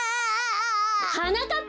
はなかっぱ！